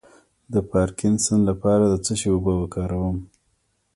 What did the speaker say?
د پارکینسن لپاره د څه شي اوبه وکاروم؟